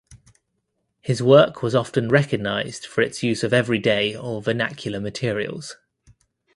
His work was often recognized for its use of everyday or vernacular materials.